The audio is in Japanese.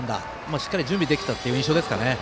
しっかり準備できたって印象ですかね。